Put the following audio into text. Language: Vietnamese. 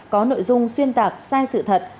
có nội dung xuyên tạc sai sự thật